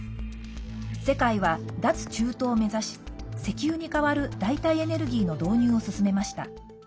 世界は脱中東を目指し石油に代わる代替エネルギーの導入を進めました。